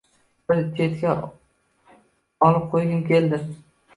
Bir chetga olib qo‘ygim keldi